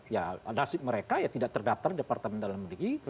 ya nasib mereka ya tidak terdaftar di departemen dalam negeri